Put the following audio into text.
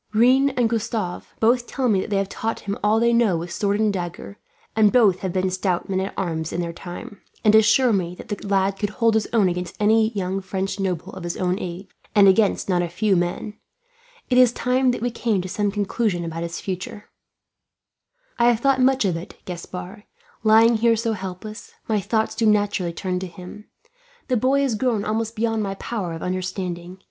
Rene and Gustave both tell me that they have taught him all they know with sword and dagger; and both have been stout men at arms in their time, and assure me that the lad could hold his own against any young French noble of his own age, and against not a few men. It is time that we came to some conclusion about his future." [Illustration: Gaspard Vaillant makes a proposal.] "I have thought of it much, Gaspard. Lying here so helpless, my thoughts do naturally turn to him. The boy has grown almost beyond my power of understanding.